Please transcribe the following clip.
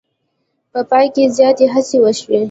په پای کې زیاتې هڅې وشوې.